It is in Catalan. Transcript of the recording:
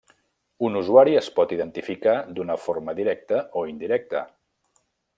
Un usuari es pot identificar d'una forma directa o indirecta.